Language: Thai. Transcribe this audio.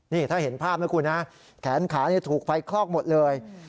นี่ถ้าเห็นภาพนะคุณนะแขนขาถูกไฟคลอกหมดเลย